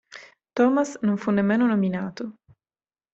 Thomas non fu nemmeno nominato.